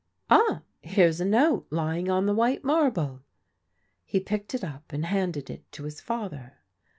Ah, here's a note lying on the white marble." He picked it up and handed it to his father.